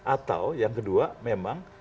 atau yang kedua memang